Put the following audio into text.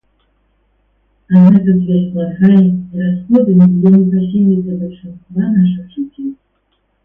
Однако связь плохая, и расходы на нее непосильны для большинства наших жителей.